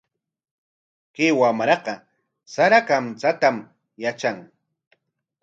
Chay wamraqa sara kamchatam yatran.